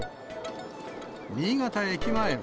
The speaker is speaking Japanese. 新潟駅前は。